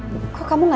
biar enggak saja hell